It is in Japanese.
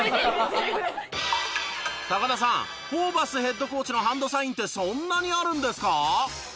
田さんホーバスヘッドコーチのハンドサインってそんなにあるんですか？